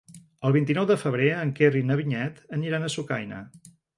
El vint-i-nou de febrer en Quer i na Vinyet aniran a Sucaina.